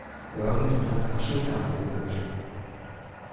Irgendetwas raschelt da im Gebüsch.